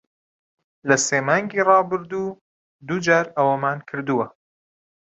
لە سێ مانگی ڕابردوو، دوو جار ئەوەمان کردووە.